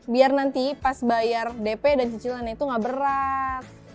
biar nanti pas bayar dp dan cicilan itu gak berat